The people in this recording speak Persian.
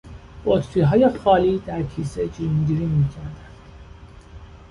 بطریهای خالی در کیسه جرنگ جرنگ میکردند.